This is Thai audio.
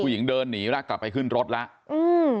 ผู้หญิงเดินหนีกลับไปขึ้นรถแล้ว